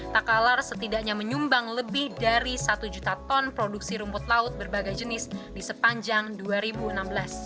takalar setidaknya menyumbang lebih dari satu juta ton produksi rumput laut berbagai jenis di sepanjang dua ribu enam belas